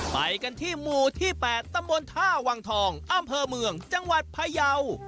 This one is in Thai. ไปกันที่หมู่ที่๘ตำบลท่าวังทองอำเภอเมืองจังหวัดพยาว